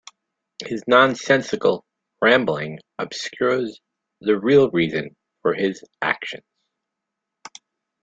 His nonsensical rambling obscures the real reason for his actions.